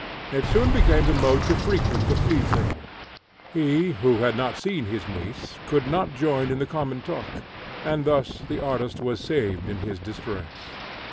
It soon became the mode to frequent the flea tamer; he, who had not seen his niece, could not join in the common talk; and thus the artist was saved in his distress.